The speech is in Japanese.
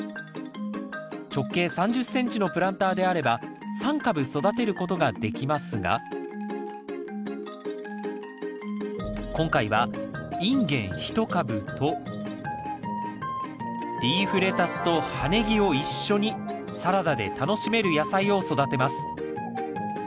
直径３０ｃｍのプランターであれば３株育てることができますが今回はインゲン１株とリーフレタスと葉ネギを一緒にサラダで楽しめる野菜を育てます。